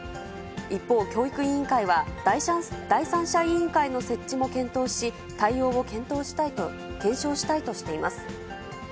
一方、教育委員会は、第三者委員会の設置も検討し、対応を検証したいとしています。